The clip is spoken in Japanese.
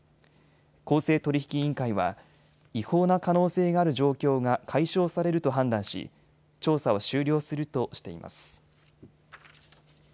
公正取引委員会は違法な可能性がある状況が解消されると判断し調査を終了するとしています。